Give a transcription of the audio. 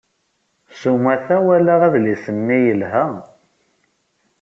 S umata, walaɣ adlis-nni yelha.